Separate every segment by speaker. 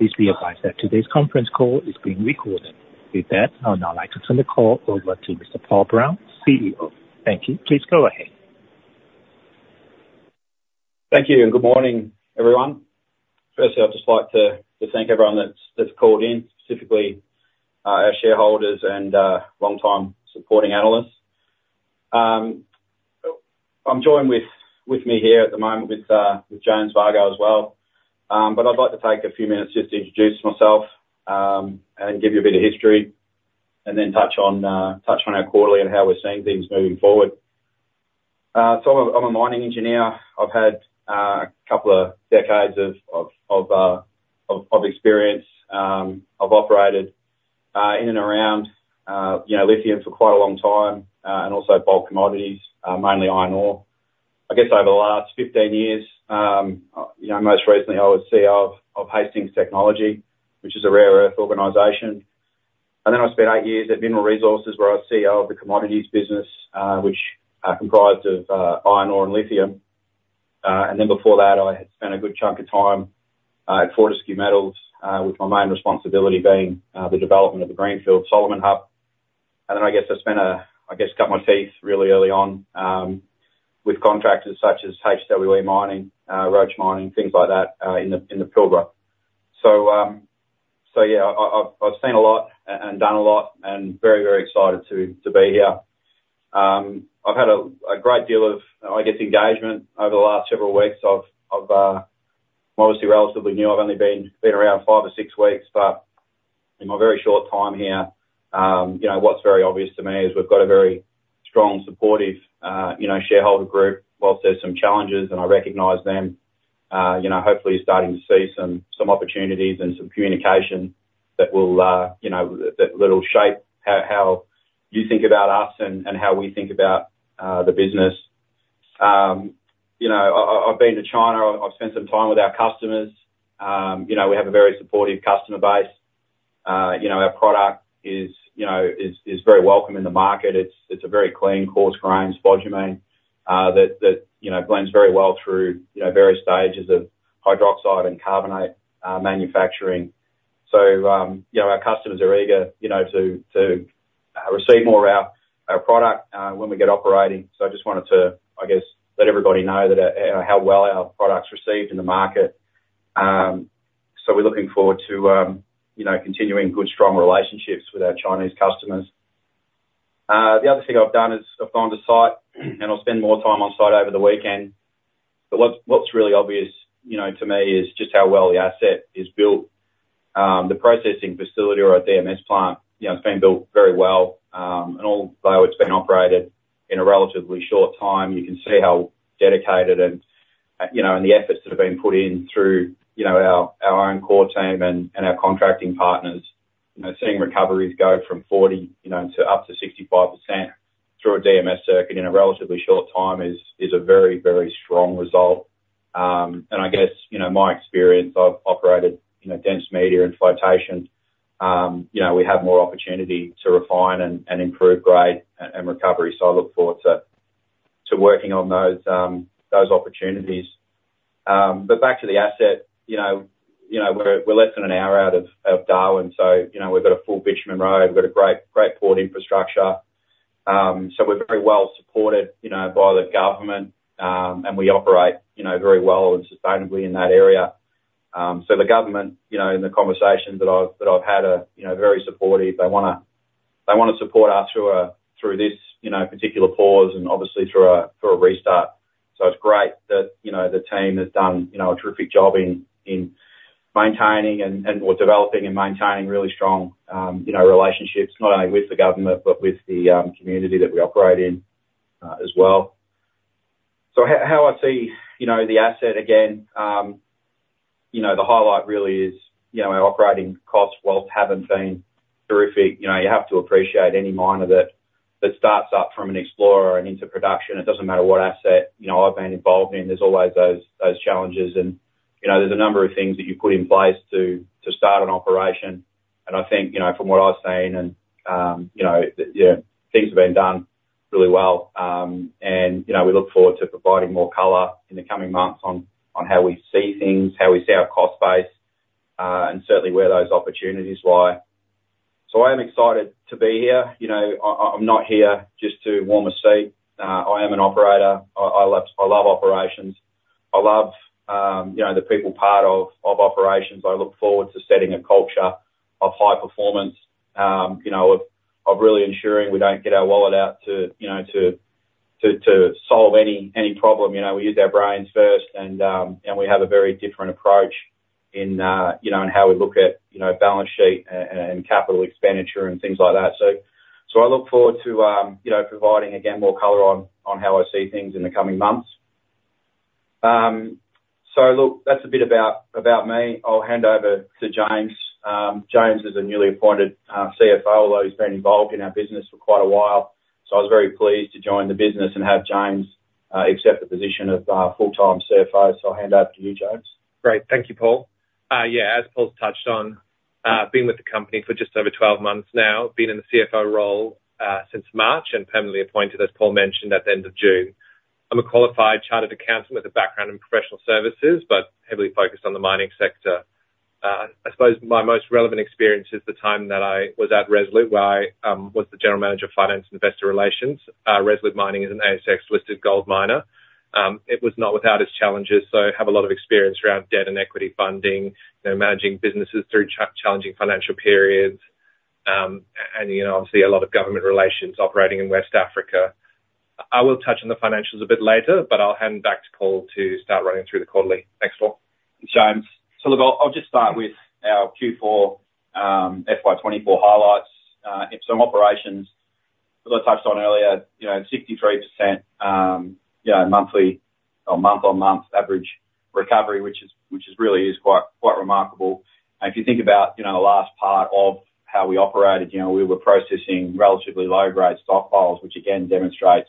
Speaker 1: Please be advised that today's conference call is being recorded. With that, I would now like to turn the call over to Mr. Paul Brown, CEO. Thank you. Please go ahead.
Speaker 2: Thank you, and good morning, everyone. Firstly, I'd just like to thank everyone that's called in, specifically our shareholders and longtime supporting analysts. I'm joined with me here at the moment with James Virgo as well. But I'd like to take a few minutes just to introduce myself and give you a bit of history, and then touch on our quarterly and how we're seeing things moving forward. So I'm a mining engineer. I've had a couple of decades of experience. I've operated in and around you know lithium for quite a long time and also bulk commodities mainly iron ore. I guess, over the last 15 years, you know, most recently I was CEO of Hastings Technology, which is a rare earth organization, and then I spent 8 years at Mineral Resources, where I was CEO of the commodities business, which comprised of iron ore and lithium. And then before that, I had spent a good chunk of time at Fortescue Metals, with my main responsibility being the development of the greenfield Solomon Hub. And then, I guess, I spent a—I guess, cut my teeth really early on with contractors such as HWE Mining, Roche Mining, things like that in the Pilbara. So, so yeah, I've seen a lot and done a lot and very, very excited to be here. I've had a great deal of, I guess, engagement over the last several weeks. I'm obviously relatively new. I've only been around five or six weeks, but in my very short time here, you know, what's very obvious to me is we've got a very strong, supportive, you know, shareholder group. While there's some challenges, and I recognize them, you know, hopefully you're starting to see some opportunities and some communication that will, you know, that will shape how you think about us and how we think about the business. You know, I've been to China. I've spent some time with our customers. You know, we have a very supportive customer base. You know, our product is, you know, very welcome in the market. It's a very clean, coarse-grained spodumene that, you know, blends very well through, you know, various stages of hydroxide and carbonate manufacturing. So, you know, our customers are eager, you know, to receive more of our product when we get operating. So I just wanted to, I guess, let everybody know that how well our product's received in the market. So we're looking forward to, you know, continuing good, strong relationships with our Chinese customers. The other thing I've done is I've gone to site, and I'll spend more time on site over the weekend, but what's really obvious, you know, to me, is just how well the asset is built. The processing facility or our DMS plant, you know, it's been built very well, and although it's been operated in a relatively short time, you can see how dedicated and you know and the efforts that have been put in through, you know, our our own core team and and our contracting partners. You know, seeing recoveries go from 40, you know, to up to 65% through a DMS circuit in a relatively short time is a very, very strong result. And I guess, you know, my experience, I've operated, you know, dense media and flotation, you know, we have more opportunity to refine and improve grade and recovery, so I look forward to working on those opportunities. But back to the asset, you know, we're less than an hour out of Darwin, so, you know, we've got a full bitumen road. We've got a great, great port infrastructure. So we're very well supported, you know, by the government, and we operate, you know, very well and sustainably in that area. So the government, you know, in the conversations that I've had are, you know, very supportive. They wanna, they wanna support us through this, you know, particular pause and obviously through a restart. So it's great that, you know, the team has done, you know, a terrific job in maintaining or developing and maintaining really strong, you know, relationships, not only with the government but with the community that we operate in, as well. So how I see, you know, the asset, again, you know, the highlight really is, you know, our operating costs, whilst haven't been terrific, you know, you have to appreciate any miner that starts up from an explorer and into production. It doesn't matter what asset, you know, I've been involved in, there's always those challenges and, you know, there's a number of things that you put in place to start an operation. And I think, you know, from what I've seen and, you know, yeah, things have been done really well. And, you know, we look forward to providing more color in the coming months on how we see things, how we see our cost base, and certainly where those opportunities lie. So I am excited to be here. You know, I'm not here just to warm a seat. I am an operator. I love operations. I love you know, the people part of operations. I look forward to setting a culture of high performance, you know, really ensuring we don't get our wallet out to, you know, to solve any problem. You know, we use our brains first and we have a very different approach in, you know, in how we look at, you know, balance sheet and capital expenditure and things like that. So I look forward to, you know, providing, again, more color on how I see things in the coming months. So look, that's a bit about me. I'll hand over to James. James is a newly appointed CFO, although he's been involved in our business for quite a while, so I was very pleased to join the business and have James accept the position of full-time CFO. So I'll hand over to you, James.
Speaker 3: Great. Thank you, Paul. Yeah, as Paul's touched on, I've been with the company for just over 12 months now. Been in the CFO role, since March, and permanently appointed, as Paul mentioned, at the end of June. ... I'm a qualified chartered accountant with a background in professional services, but heavily focused on the mining sector. I suppose my most relevant experience is the time that I was at Resolute, where I was the General Manager of Finance and Investor Relations. Resolute Mining is an ASX-listed gold miner. It was not without its challenges, so I have a lot of experience around debt and equity funding, you know, managing businesses through challenging financial periods. And, you know, obviously a lot of government relations operating in West Africa. I will touch on the financials a bit later, but I'll hand back to Paul to start running through the quarterly. Thanks, Paul.
Speaker 2: Thanks, James. So look, I'll just start with our Q4 FY 2024 highlights. In some operations, as I touched on earlier, you know, 63% monthly or month-on-month average recovery, which really is quite remarkable. And if you think about, you know, the last part of how we operated, you know, we were processing relatively low-grade stockpiles, which again demonstrates,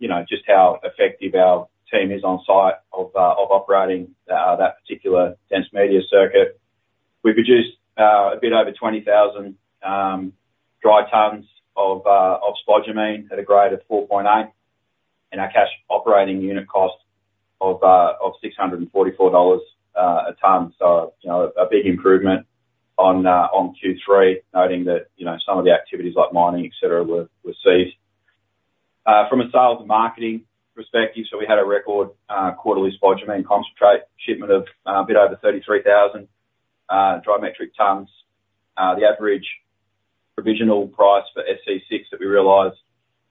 Speaker 2: you know, just how effective our team is on site of operating that particular dense media circuit. We produced a bit over 20,000 dry tons of spodumene at a grade of 4.8, and our cash operating unit cost of $644 a ton. So, you know, a big improvement on Q3, noting that, you know, some of the activities like mining, et cetera, were ceased. From a sales marketing perspective, so we had a record quarterly spodumene concentrate shipment of a bit over 33,000 dry metric tons. The average provisional price for SC6 that we realized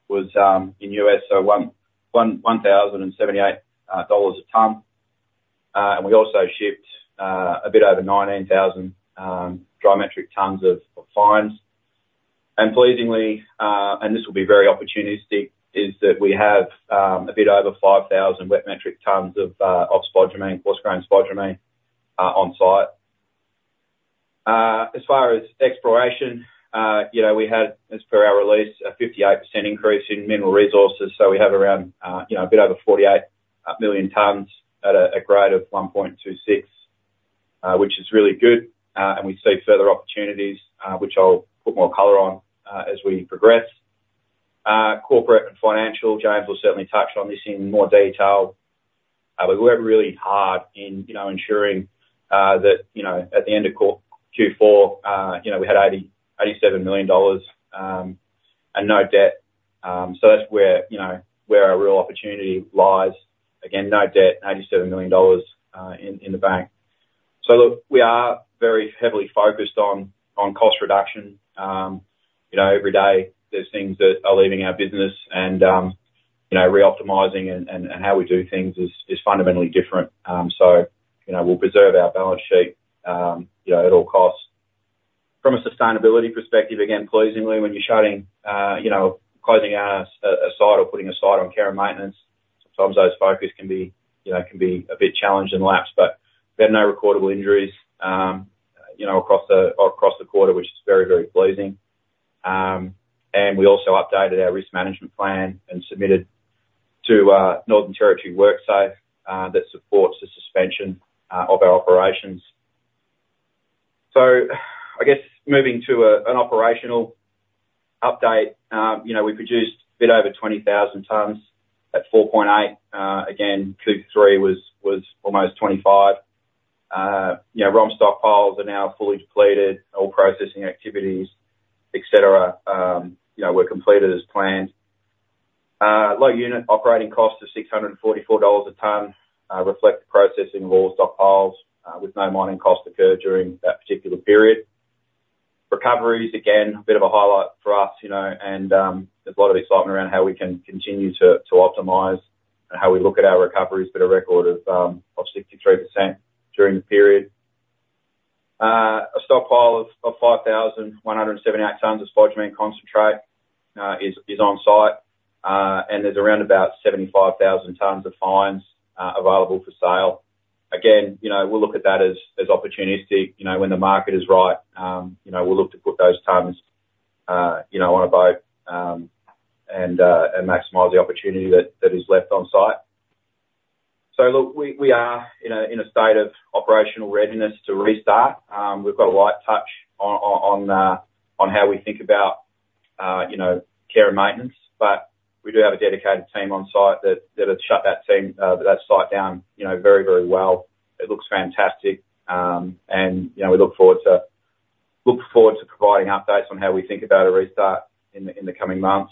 Speaker 2: was in US $1,078 a ton. And we also shipped a bit over 19,000 dry metric tons of fines. And pleasingly, and this will be very opportunistic, is that we have a bit over 5,000 wet metric tons of spodumene, coarse grain spodumene, on site. As far as exploration, you know, we had, as per our release, a 58% increase in mineral resources, so we have around, you know, a bit over 48 million tons at a grade of 1.26, which is really good. And we see further opportunities, which I'll put more color on, as we progress. Corporate and financial, James will certainly touch on this in more detail. We worked really hard in, you know, ensuring, that, you know, at the end of Q4, you know, we had 87 million dollars, and no debt. So that's where, you know, where our real opportunity lies. Again, no debt, 87 million dollars, in the bank. So look, we are very heavily focused on cost reduction. You know, every day there's things that are leaving our business and, you know, reoptimizing and how we do things is fundamentally different. So, you know, we'll preserve our balance sheet, you know, at all costs. From a sustainability perspective, again, pleasingly, when you're shutting, you know, closing out a site or putting a site on care and maintenance, sometimes those focus can be, you know, can be a bit challenged and lapsed. But we had no recordable injuries, you know, across the quarter, which is very, very pleasing. And we also updated our risk management plan and submitted to Northern Territory WorkSafe that supports the suspension of our operations. So I guess moving to an operational update. You know, we produced a bit over 20,000 tons at 4.8. Again, Q3 was almost 25. You know, raw stockpiles are now fully depleted. All processing activities, et cetera, you know, were completed as planned. Low unit operating costs of $644 a ton reflect the processing of all stockpiles with no mining costs occurred during that particular period. Recoveries, again, a bit of a highlight for us, you know, and there's a lot of excitement around how we can continue to optimize and how we look at our recoveries, but a record of 63% during the period. A stockpile of 5,178 tons of spodumene concentrate is on site, and there's around about 75,000 tons of fines available for sale. Again, you know, we'll look at that as opportunistic. You know, when the market is right, you know, we'll look to put those tons, you know, on a boat, and and maximize the opportunity that that is left on site. So look, we are in a state of operational readiness to restart. We've got a light touch on how we think about, you know, care and maintenance, but we do have a dedicated team on site that have shut that site down, you know, very very well. It looks fantastic. And you know, we look forward to providing updates on how we think about a restart in the coming months.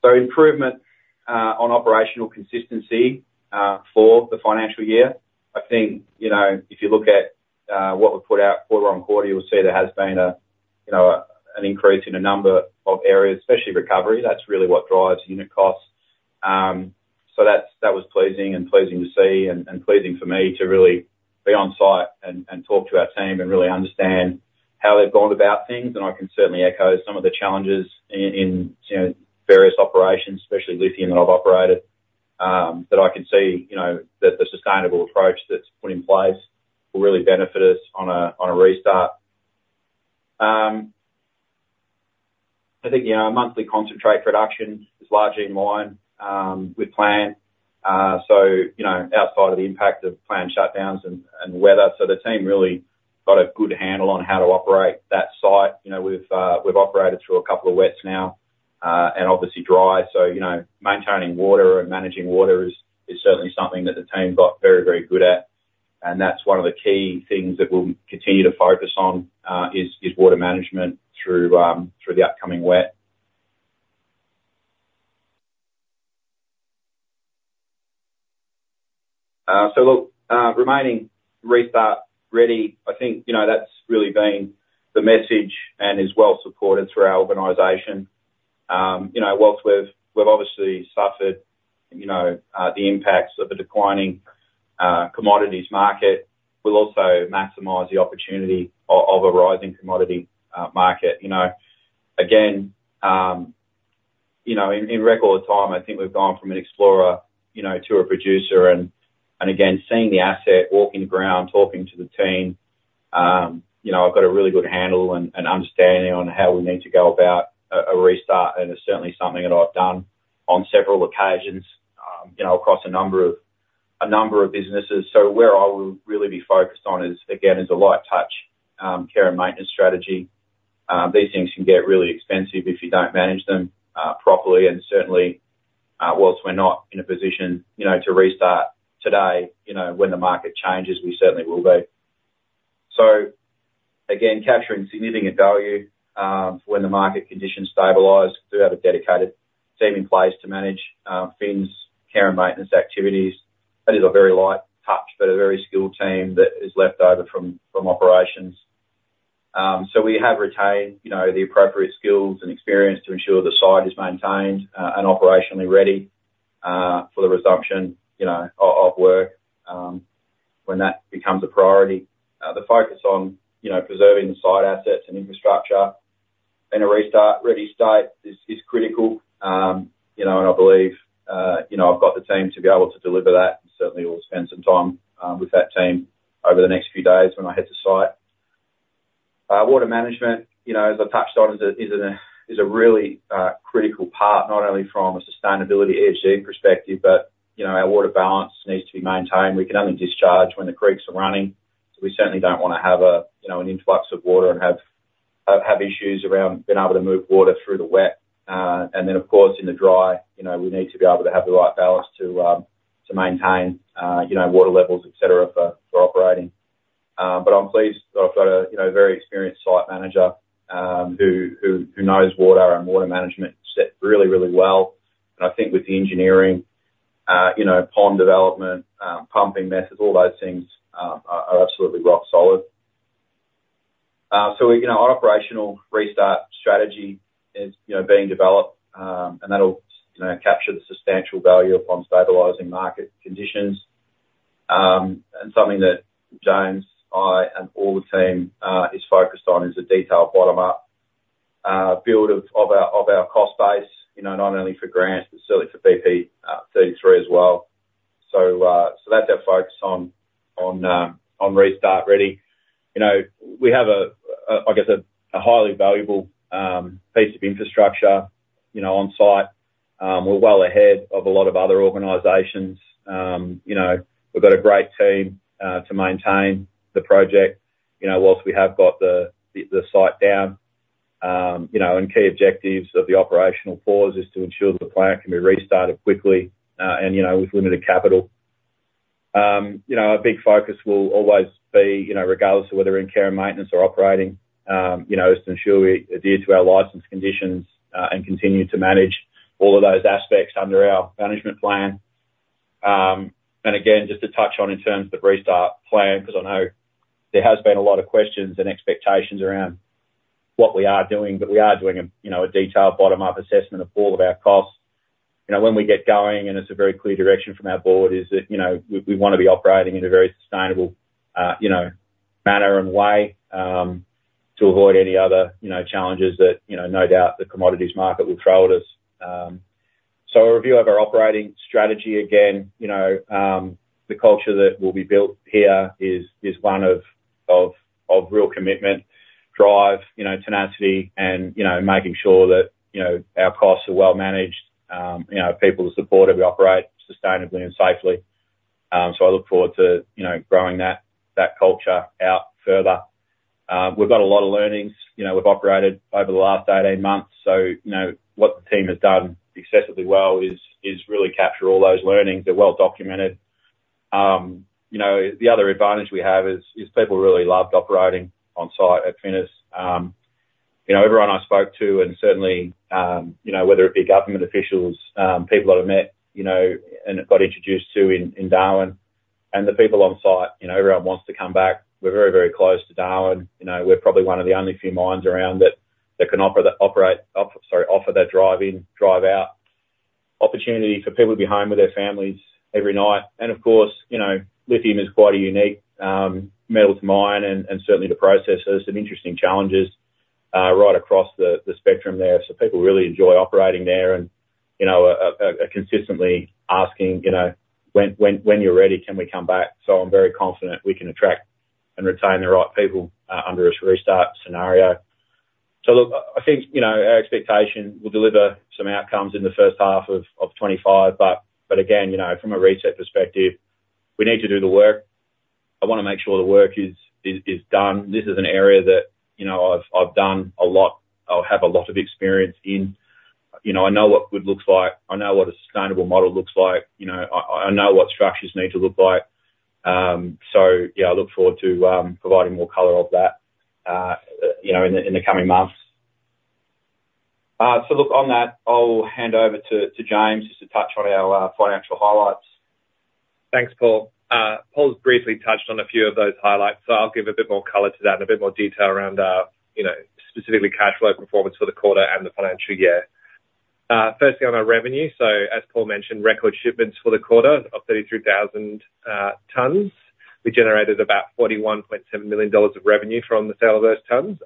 Speaker 2: So improvement on operational consistency for the financial year. I think, you know, if you look at what we've put out quarter on quarter, you'll see there has been a, you know, an increase in a number of areas, especially recovery. That's really what drives unit costs. So that's, that was pleasing and pleasing to see and pleasing for me to really be on site and talk to our team and really understand how they've gone about things. And I can certainly echo some of the challenges in, you know, various operations, especially lithium, that I've operated, that I can see, you know, that the sustainable approach that's put in place will really benefit us on a, on a restart. I think, you know, our monthly concentrate production is largely in line with plan. So, you know, outside of the impact of planned shutdowns and weather. So the team really got a good handle on how to operate that site. You know, we've operated through a couple of wets now, and obviously dry. So, you know, maintaining water and managing water is certainly something that the team got very, very good at, and that's one of the key things that we'll continue to focus on, is water management through the upcoming wet. So look, remaining restart ready, I think, you know, that's really been the message and is well supported through our organization. You know, whilst we've obviously suffered, you know, the impacts of a declining commodities market, we'll also maximize the opportunity of a rising commodity market. You know, again, you know, in record time, I think we've gone from an explorer, you know, to a producer, and again, seeing the asset, walking the ground, talking to the team, you know, I've got a really good handle and understanding on how we need to go about a restart, and it's certainly something that I've done on several occasions, you know, across a number of businesses. So where I will really be focused on is, again, a light touch, care and maintenance strategy. These things can get really expensive if you don't manage them properly, and certainly, whilst we're not in a position, you know, to restart today, you know, when the market changes, we certainly will be. So again, capturing significant value when the market conditions stabilize, we have a dedicated team in place to manage Finniss' care and maintenance activities. That is a very light touch, but a very skilled team that is left over from operations. So we have retained, you know, the appropriate skills and experience to ensure the site is maintained and operationally ready for the resumption, you know, of work when that becomes a priority. The focus on, you know, preserving the site assets and infrastructure in a restart-ready state is critical. You know, and I believe, you know, I've got the team to be able to deliver that, and certainly will spend some time with that team over the next few days when I head to site. Water management, you know, as I touched on, is a really critical part, not only from a sustainability ESG perspective, but you know, our water balance needs to be maintained. We can only discharge when the creeks are running, so we certainly don't want to have a, you know, an influx of water and have issues around being able to move water through the wet. And then, of course, in the dry, you know, we need to be able to have the right balance to maintain, you know, water levels, et cetera, for operating. But I'm pleased that I've got a, you know, very experienced site manager who knows water and water management set really, really well, and I think with the engineering, you know, pond development, pumping methods, all those things are absolutely rock solid. So, you know, our operational restart strategy is, you know, being developed, and that'll, you know, capture the substantial value upon stabilizing market conditions. Something that James, I, and all the team is focused on is a detailed bottom-up build of our cost base, you know, not only for Grants, but certainly for BP33 as well. So that's our focus on restart ready. You know, we have a, I guess, a highly valuable piece of infrastructure, you know, on site. We're well ahead of a lot of other organizations. You know, we've got a great team to maintain the project. You know, whilst we have got the site down, and key objectives of the operational pause is to ensure that the plant can be restarted quickly, and, you know, with limited capital. You know, our big focus will always be, you know, regardless of whether in care and maintenance or operating, you know, is to ensure we adhere to our license conditions, and continue to manage all of those aspects under our management plan. and again, just to touch on in terms of the restart plan, because I know there has been a lot of questions and expectations around what we are doing, but we are doing, you know, a detailed bottom-up assessment of all of our costs. You know, when we get going, and it's a very clear direction from our board, is that, you know, we want to be operating in a very sustainable, you know, manner and way, to avoid any other, you know, challenges that, you know, no doubt the commodities market will throw at us. So a review of our operating strategy, again, you know, the culture that will be built here is one of real commitment, drive, you know, tenacity, and, you know, making sure that, you know, our costs are well managed, you know, people are supportive, we operate sustainably and safely. So I look forward to, you know, growing that culture out further. We've got a lot of learnings. You know, we've operated over the last 18 months, so, you know, what the team has done exceptionally well is really capture all those learnings. They're well documented. You know, the other advantage we have is people really loved operating on site at Finniss. You know, everyone I spoke to and certainly, you know, whether it be government officials, people that I've met, you know, and got introduced to in, in Darwin, and the people on site, you know, everyone wants to come back. We're very, very close to Darwin. You know, we're probably one of the only few mines around that, that can offer that drive-in, drive-out opportunity for people to be home with their families every night. And of course, you know, lithium is quite a unique, metal to mine, and, and certainly the process has some interesting challenges, right across the, the spectrum there. So people really enjoy operating there and, you know, are consistently asking, you know, "When, when, when you're ready, can we come back?" So I'm very confident we can attract and retain the right people under a restart scenario. So look, I think, you know, our expectation, we'll deliver some outcomes in the first half of 2025, but again, you know, from a reset perspective, we need to do the work. I wanna make sure the work is done. This is an area that, you know, I've done a lot. I have a lot of experience in. You know, I know what good looks like. I know what a sustainable model looks like. You know, I know what structures need to look like. So yeah, I look forward to providing more color of that, you know, in the coming months. So look, on that, I'll hand over to James, just to touch on our financial highlights.
Speaker 3: Thanks, Paul. Paul's briefly touched on a few of those highlights, so I'll give a bit more color to that and a bit more detail around, you know, specifically cash flow performance for the quarter and the financial year. Firstly, on our revenue. So, as Paul mentioned, record shipments for the quarter of 33,000 tons. We generated about $41.7 million of revenue from the sale of those tons.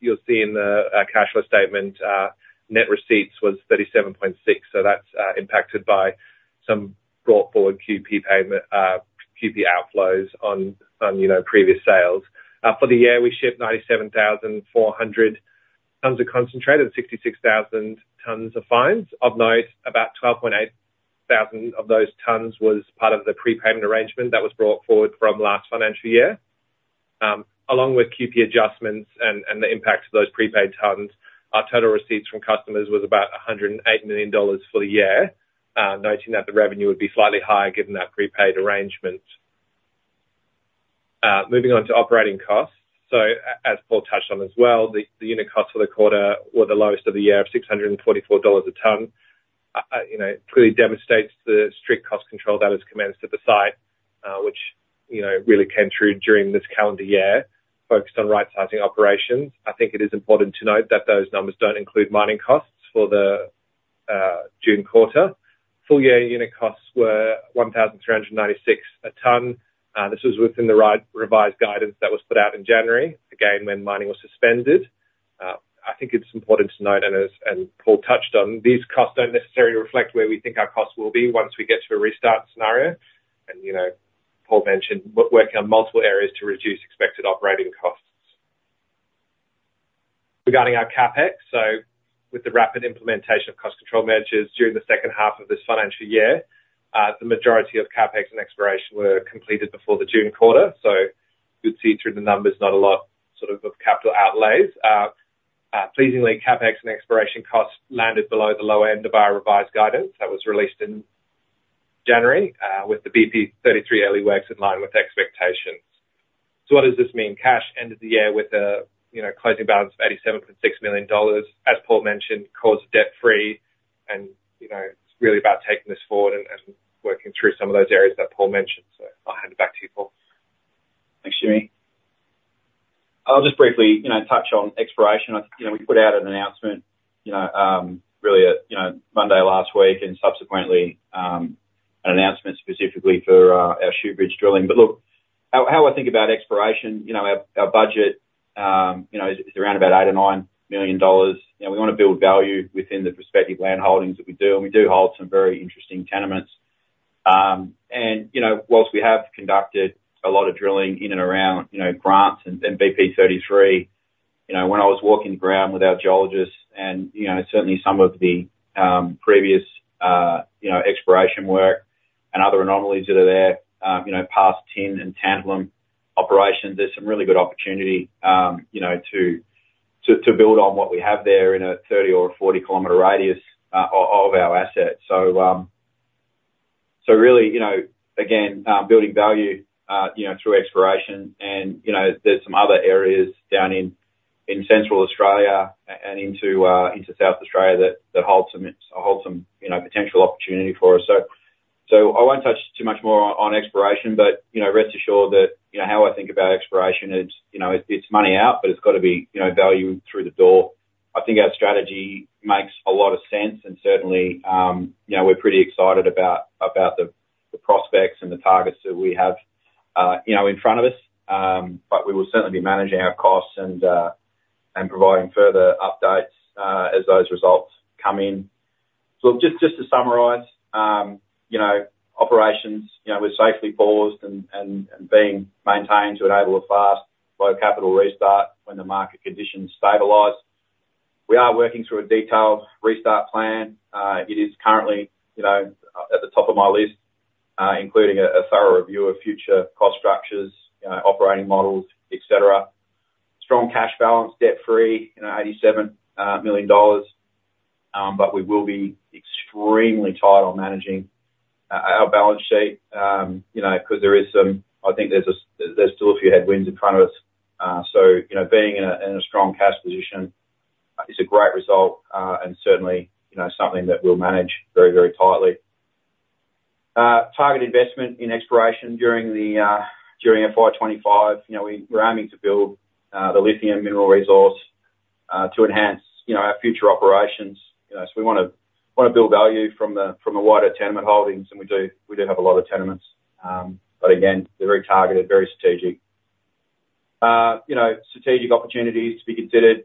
Speaker 3: You'll see in the cash flow statement, net receipts was $37.6 million, so that's impacted by some brought forward QP payment, QP outflows on, you know, previous sales. For the year, we shipped 97,400 tons of concentrate and 66,000 tons of fines. Of those, about 12,800 of those tons was part of the prepayment arrangement that was brought forward from last financial year. Along with QP adjustments and, and the impact of those prepaid tons, our total receipts from customers was about $108 million for the year, noting that the revenue would be slightly higher given that prepaid arrangement. Moving on to operating costs. So as Paul touched on as well, the unit costs for the quarter were the lowest of the year, of $644 a ton. You know, it clearly demonstrates the strict cost control that is commenced at the site, which, you know, really came through during this calendar year, focused on right-sizing operations. I think it is important to note that those numbers don't include mining costs for the June quarter. Full year unit costs were 1,396 a ton. This was within the right revised guidance that was put out in January, again, when mining was suspended. I think it's important to note, and as Paul touched on, these costs don't necessarily reflect where we think our costs will be once we get to a restart scenario. And, you know, Paul mentioned working on multiple areas to reduce expected operating costs. Regarding our CapEx, so with the rapid implementation of cost control measures during the second half of this financial year, the majority of CapEx and exploration were completed before the June quarter. So you'd see through the numbers, not a lot sort of of capital outlays. Pleasingly, CapEx and exploration costs landed below the low end of our revised guidance that was released in January, with the BP33 early works in line with expectations. So what does this mean? Cash ended the year with a, you know, closing balance of 87.6 million dollars. As Paul mentioned, cash debt-free, and, you know, it's really about taking this forward and, and working through some of those areas that Paul mentioned. So I'll hand it back to you, Paul.
Speaker 2: Thanks, Jimmy. I'll just briefly, you know, touch on exploration. I, you know, we put out an announcement, you know, really at, you know, Monday last week, and subsequently, an announcement specifically for, our Shoobridge drilling. But look, how I think about exploration, you know, our budget, you know, is around about 8 million or 9 million dollars, and we wanna build value within the prospective land holdings that we do, and we do hold some very interesting tenements. And, you know, whilst we have conducted a lot of drilling in and around, you know, Grants and BP33, you know, when I was walking the ground with our geologists and, you know, certainly some of the previous exploration work and other anomalies that are there, you know, past tin and tantalum operations, there's some really good opportunity, you know, to build on what we have there in a 30- or a 40-kilometer radius of our assets. So, really, you know, again, building value, you know, through exploration and, you know, there's some other areas down in Central Australia and into South Australia that hold some hold some, you know, potential opportunity for us. So, I won't touch too much more on exploration, but, you know, rest assured that, you know, how I think about exploration is, you know, it's money out, but it's gotta be, you know, value through the door. I think our strategy makes a lot of sense, and certainly, you know, we're pretty excited about the prospects and the targets that we have, you know, in front of us. But we will certainly be managing our costs and providing further updates as those results come in. So just to summarize, you know, operations, you know, we're safely paused and being maintained to enable a fast low capital restart when the market conditions stabilize. We are working through a detailed restart plan. It is currently, you know, at the top of my list, including a thorough review of future cost structures, you know, operating models, et cetera. Strong cash balance, debt-free, you know, 87 million dollars, but we will be extremely tight on managing our balance sheet, you know, 'cause there is some—I think there's a, there's still a few headwinds in front of us. So, you know, being in a strong cash position is a great result, and certainly, you know, something that we'll manage very, very tightly. Target investment in exploration during FY25, you know, we're aiming to build the lithium mineral resource to enhance, you know, our future operations. You know, so we wanna, wanna build value from the, from the wider tenement holdings, and we do, we do have a lot of tenements. But again, they're very targeted, very strategic. You know, strategic opportunities to be considered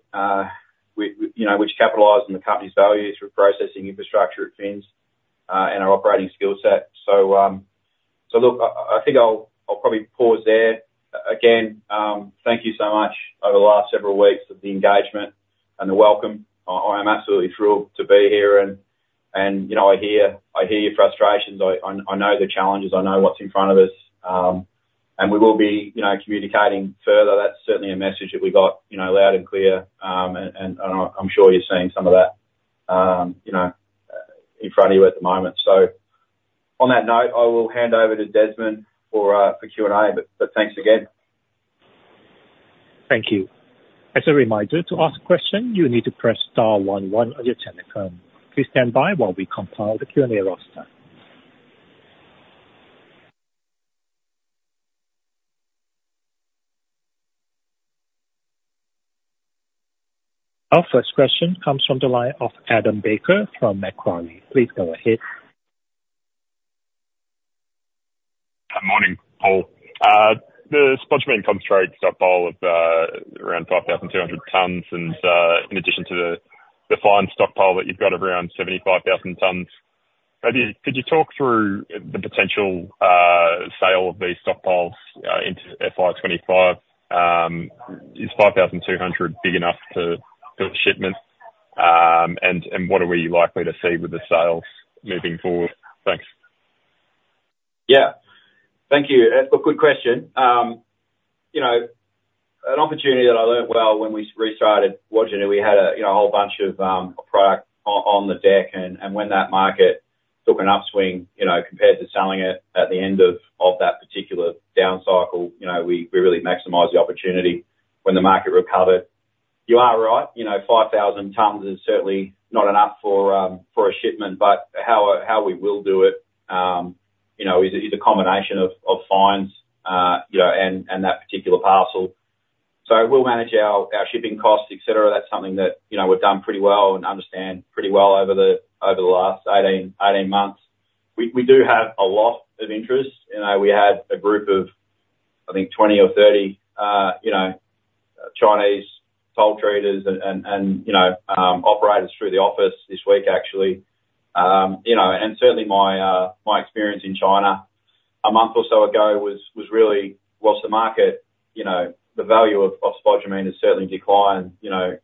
Speaker 2: with, with, you know, which capitalize on the company's values through processing infrastructure at Finniss and our operating skill set. So look, I, I think I'll, I'll probably pause there. Again, thank you so much over the last several weeks of the engagement and the welcome. I, I am absolutely thrilled to be here and, and, you know, I hear, I hear your frustrations. I, I, I know the challenges, I know what's in front of us, and we will be, you know, communicating further. That's certainly a message that we got, you know, loud and clear. I'm sure you're seeing some of that, you know, in front of you at the moment. So on that note, I will hand over to Desmond for Q&A. But thanks again.
Speaker 1: Thank you. As a reminder, to ask a question, you need to press star one one on your telephone. Please stand by while we compile the Q&A roster. Our first question comes from the line of Adam Baker from Macquarie. Please go ahead.
Speaker 4: Good morning, Paul. The spodumene concentrate stockpile of around 5,200 tons, and in addition to the fine stockpile that you've got around 75,000 tons, maybe could you talk through the potential sale of these stockpiles into FY 2025? Is 5,200 big enough for a shipment? And what are we likely to see with the sales moving forward? Thanks.
Speaker 2: Yeah. Thank you. Look, good question. You know, an opportunity that I learned well when we restarted Wodgina, we had a, you know, a whole bunch of product on the deck. And when that market took an upswing, you know, compared to selling it at the end of that particular down cycle, you know, we really maximized the opportunity when the market recovered. You are right, you know, 5,000 tons is certainly not enough for a shipment, but how we will do it, you know, is a combination of fines, you know, and that particular parcel. So we'll manage our shipping costs, et cetera. That's something that, you know, we've done pretty well and understand pretty well over the last 18, 18 months. We do have a lot of interest. You know, we had a group of, I think, 20 or 30, you know, Chinese sole traders and, you know, operators through the office this week, actually. You know, and certainly my experience in China a month or so ago was really, while the market, you know, the value of spodumene has certainly declined, you know,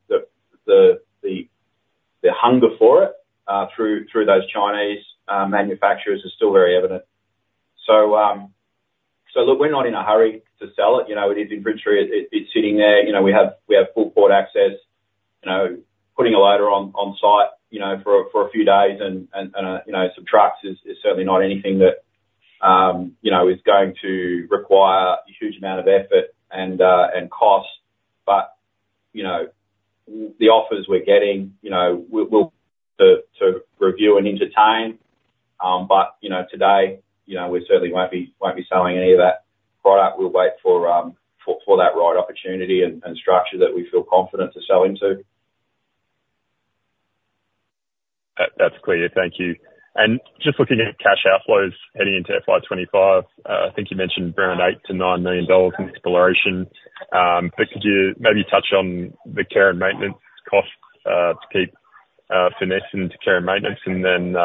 Speaker 2: the hunger for it through those Chinese manufacturers is still very evident. So, look, we're not in a hurry to sell it, you know, it is inventory. It's sitting there. You know, we have full port access. You know, putting a loader on site, you know, for a few days and you know, some trucks is certainly not anything that you know, is going to require a huge amount of effort and cost. But, you know, the offers we're getting, you know, we'll review and entertain. But, you know, today, you know, we certainly won't be selling any of that product. We'll wait for that right opportunity and structure that we feel confident to sell into.
Speaker 4: That's clear. Thank you. Just looking at cash outflows heading into FY 2025, I think you mentioned around 8 million-9 million dollars in exploration. But could you maybe touch on the care and maintenance costs to keep Finniss into care and maintenance and then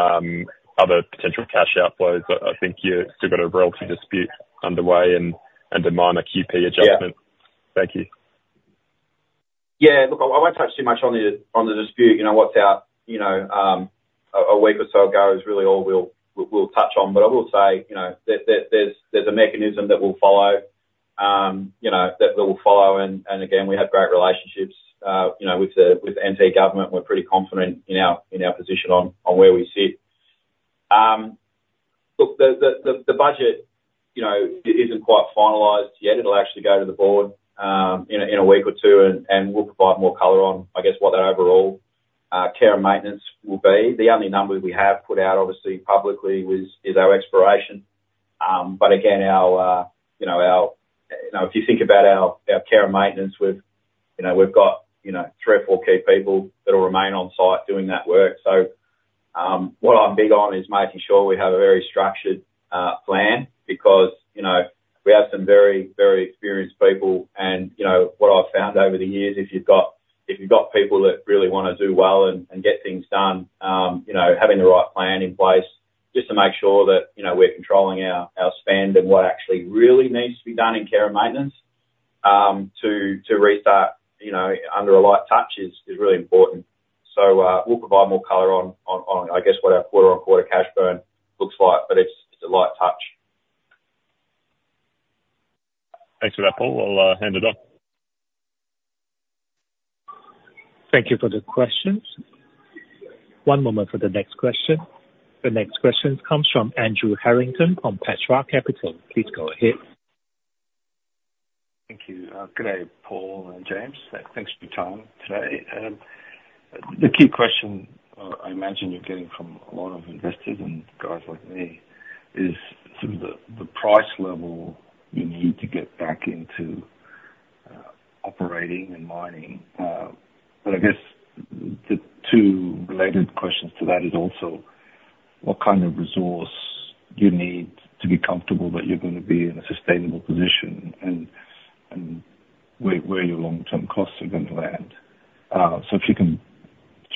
Speaker 4: other potential cash outflows? I think you've still got a royalty dispute underway and a minor QP adjustment.
Speaker 2: Yeah.
Speaker 4: Thank you.
Speaker 2: Yeah. Look, I won't touch too much on the dispute. You know, what's out, you know, a week or so ago is really all we'll touch on. But I will say, you know, that there's a mechanism that we'll follow, you know, that we'll follow and again, we have great relationships, you know, with the NT government. We're pretty confident in our position on where we sit. Look, the budget, you know, it isn't quite finalized yet. It'll actually go to the board in a week or two, and we'll provide more color on, I guess, what the overall care and maintenance will be. The only number we have put out, obviously, publicly was, is our exploration. But again, you know, our... You know, if you think about our care and maintenance, you know, we've got 3 or 4 key people that will remain on site doing that work. So, what I'm big on is making sure we have a very structured plan because, you know, we have some very, very experienced people, and, you know, what I've found over the years, if you've got people that really wanna do well and get things done, you know, having the right plan in place, just to make sure that, you know, we're controlling our spend and what actually really needs to be done in care and maintenance to restart, you know, under a light touch is really important. So, we'll provide more color on what our quarter-on-quarter cash burn looks like, but it's a light touch.
Speaker 4: Thanks for that, Paul. I'll hand it on.
Speaker 1: Thank you for the questions. One moment for the next question. The next question comes from Andrew Harrington from Petra Capital. Please go ahead.
Speaker 5: Thank you. Good day, Paul and James. Thanks for your time today. The key question, I imagine you're getting from a lot of investors and guys like me, is sort of the price level you need to get back into operating and mining. But I guess the two related questions to that is also what kind of resource you need to be comfortable that you're gonna be in a sustainable position? And where your long-term costs are going to land. So if you can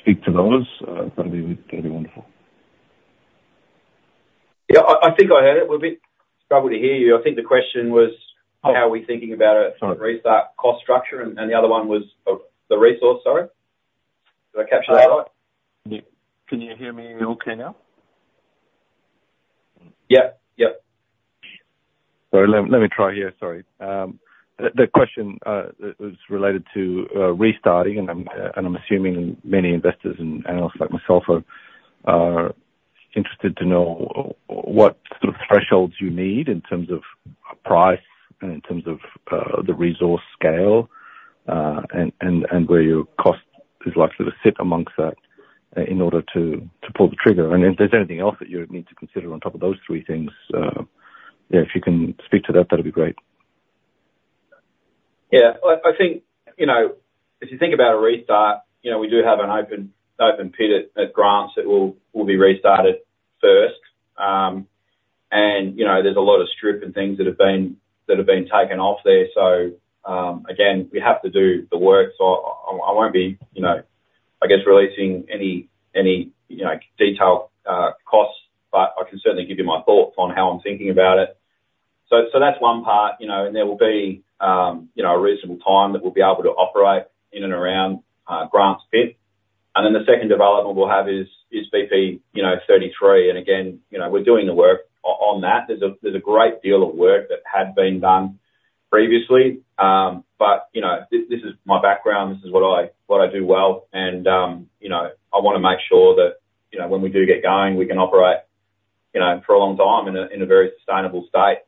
Speaker 5: speak to those, that'll be, that'd be wonderful.
Speaker 2: Yeah, I, I think I heard it. We're a bit struggling to hear you. I think the question was-
Speaker 5: Oh.
Speaker 2: How are we thinking about a
Speaker 5: Sorry
Speaker 2: restart cost structure, and the other one was of the resource, sorry. Did I capture that right?
Speaker 5: Can you, can you hear me okay now?
Speaker 2: Yep, yep.
Speaker 5: Sorry, let me try here. Sorry. The question was related to restarting, and I'm assuming many investors and analysts like myself are interested to know what sort of thresholds you need in terms of price and in terms of the resource scale, and where your cost is likely to sit amongst that, in order to pull the trigger. And if there's anything else that you'd need to consider on top of those three things, yeah, if you can speak to that, that'd be great.
Speaker 2: Yeah. I think, you know, if you think about a restart, you know, we do have an open pit at Grants that will be restarted first. And, you know, there's a lot of strip and things that have been taken off there. So, again, we have to do the work. So I won't be, you know, I guess, releasing any, you know, detailed costs, but I can certainly give you my thoughts on how I'm thinking about it. So that's one part, you know, and there will be, you know, a reasonable time that we'll be able to operate in and around Grants Pit. And then the second development we'll have is BP33. And again, you know, we're doing the work on that. There's a great deal of work that had been done previously. But, you know, this is my background. This is what I do well, and, you know, I wanna make sure that, you know, when we do get going, we can operate, you know, for a long time in a very sustainable state.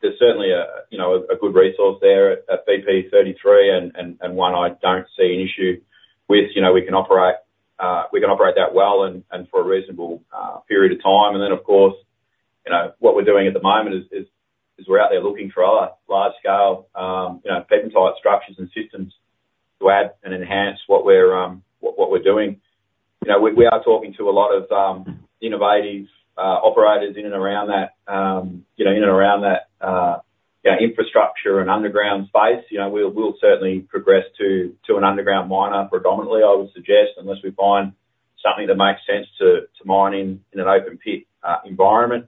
Speaker 2: There's certainly a, you know, a good resource there at BP 33 and one I don't see an issue with. You know, we can operate that well and for a reasonable period of time. And then, of course, you know, what we're doing at the moment is we're out there looking for other large scale, you know, pegmatite-type structures and systems to add and enhance what we're doing. You know, we are talking to a lot of innovative operators in and around that, you know, infrastructure and underground space. You know, we'll certainly progress to an underground miner, predominantly, I would suggest, unless we find something that makes sense to mine in an open pit environment.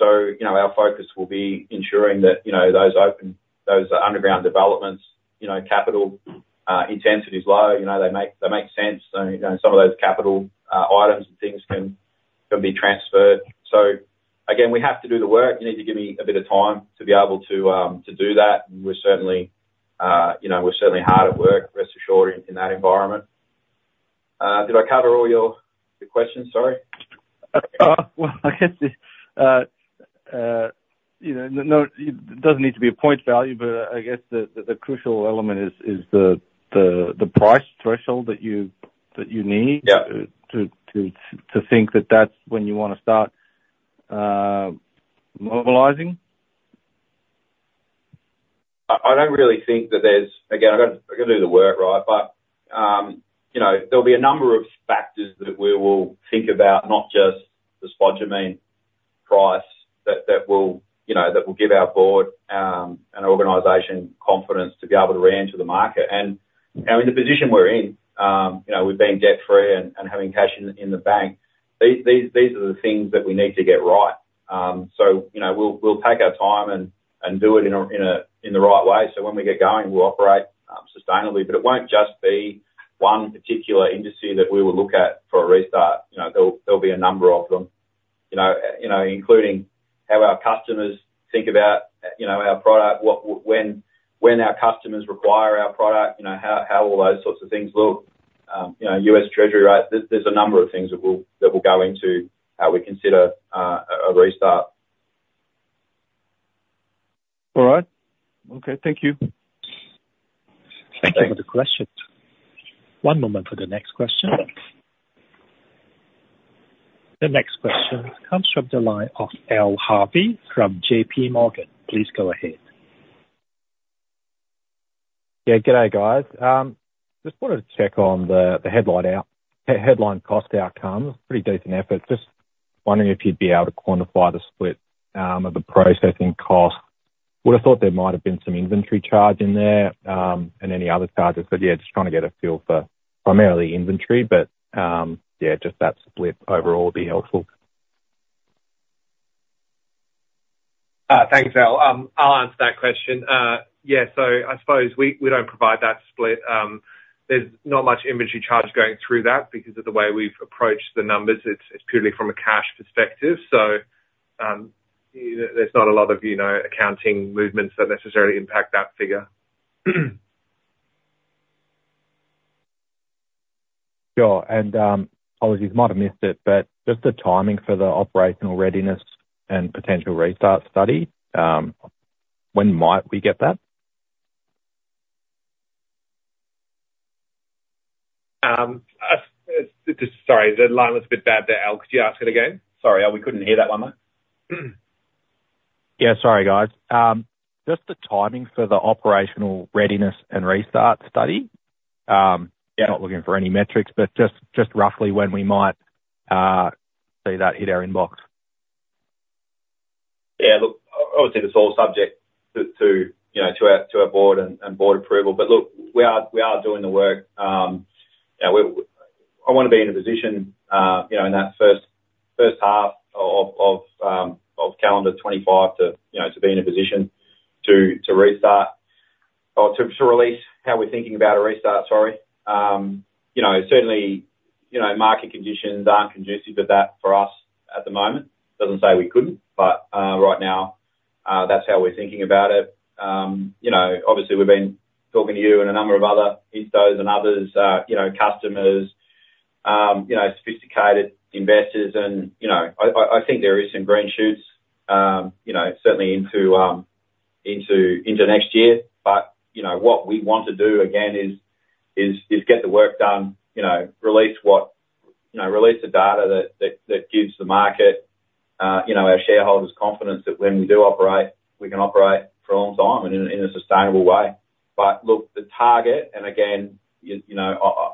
Speaker 2: So, you know, our focus will be ensuring that, you know, those underground developments, you know, capital intensity is low. You know, they make sense, and some of those capital items and things can be transferred. So again, we have to do the work. You need to give me a bit of time to be able to do that, and we're certainly, you know, we're certainly hard at work, rest assured, in that environment. Did I cover all your questions? Sorry.
Speaker 5: Well, I guess, you know, no, it doesn't need to be a point value, but I guess the crucial element is the price threshold that you need-
Speaker 2: Yeah...
Speaker 5: to think that that's when you wanna start mobilizing?
Speaker 2: I don't really think that there's. Again, I've got to do the work, right? But, you know, there'll be a number of factors that we will think about, not just the spodumene price, that will, you know, that will give our board and organization confidence to be able to re-enter the market. And, you know, in the position we're in, you know, with being debt free and having cash in the bank, these are the things that we need to get right. So, you know, we'll take our time and do it in the right way, so when we get going, we'll operate sustainably. But it won't just be one particular industry that we will look at for a restart. You know, there'll be a number of them, you know, including how our customers think about, you know, our product. What, when our customers require our product, you know, how will those sorts of things look? You know, U.S. Treasury rates. There's a number of things that we'll go into, how we consider a restart.
Speaker 5: All right. Okay, thank you.
Speaker 2: Thank you.
Speaker 1: Thank you for the question. One moment for the next question. The next question comes from the line of Al Harvey from J.P. Morgan. Please go ahead.
Speaker 6: Yeah, good day, guys. Just wanted to check on the headline cost outcomes. Pretty decent effort. Just wondering if you'd be able to quantify the split of the processing cost. Would've thought there might have been some inventory charge in there and any other charges. So yeah, just trying to get a feel for primarily inventory, but yeah, just that split overall would be helpful.
Speaker 2: Thanks, Al. I'll answer that question. Yeah, so I suppose we, we don't provide that split. There's not much inventory charge going through that because of the way we've approached the numbers. It's purely from a cash perspective. So, there's not a lot of, you know, accounting movements that necessarily impact that figure.
Speaker 6: Sure. Apologies, might have missed it, but just the timing for the operational readiness and potential restart study, when might we get that?
Speaker 2: Sorry, the line was a bit bad there, Al. Could you ask it again? Sorry, Al, we couldn't hear that one well.
Speaker 6: Yeah, sorry, guys. Just the timing for the operational readiness and restart study.
Speaker 2: Yeah.
Speaker 6: Not looking for any metrics, but just, just roughly when we might see that hit our inbox?...
Speaker 2: Yeah, look, obviously, this is all subject to, you know, to our board and board approval. But look, we are doing the work. Yeah, I wanna be in a position, you know, in that first half of calendar 2025 to, you know, to be in a position to restart or to release how we're thinking about a restart, sorry. You know, certainly, you know, market conditions aren't conducive to that for us at the moment. Doesn't say we couldn't, but right now, that's how we're thinking about it. You know, obviously, we've been talking to you and a number of other instos and others, you know, customers, you know, sophisticated investors and, you know, I think there is some green shoots, you know, certainly into next year. But, you know, what we want to do again is get the work done, you know, release the data that gives the market, you know, our shareholders confidence that when we do operate, we can operate for a long time and in a sustainable way. But look, the target, and again, you know, I,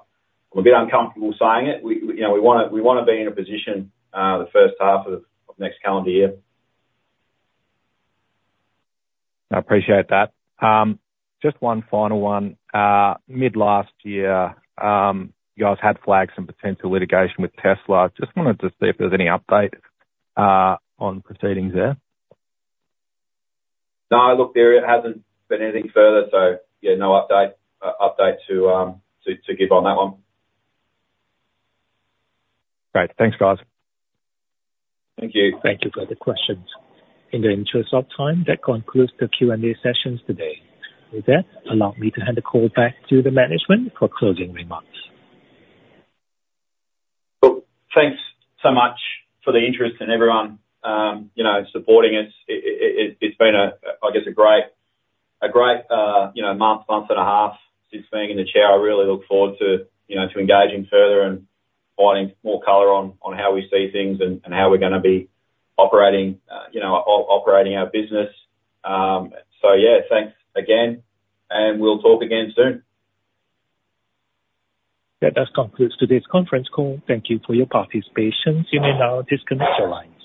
Speaker 2: I'm a bit uncomfortable saying it, we, you know, we wanna be in a position, the first half of next calendar year.
Speaker 6: I appreciate that. Just one final one. Mid last year, you guys had flagged some potential litigation with Tesla. I just wanted to see if there was any update on proceedings there?
Speaker 2: No, look, there hasn't been anything further, so yeah, no update, update to give on that one.
Speaker 6: Great. Thanks, guys.
Speaker 2: Thank you.
Speaker 1: Thank you for the questions. In the interest of time, that concludes the Q&A sessions today. With that, allow me to hand the call back to the management for closing remarks.
Speaker 2: Look, thanks so much for the interest and everyone, you know, supporting us. It's been, I guess, a great, a great, you know, month and a half since being in the chair. I really look forward to, you know, to engaging further and providing more color on, on how we see things and, and how we're gonna be operating, you know, operating our business. So yeah, thanks again, and we'll talk again soon.
Speaker 1: Yeah, that concludes today's conference call. Thank you for your participation. You may now disconnect your lines.